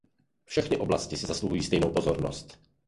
Všechny oblasti si zasluhují stejnou pozornost.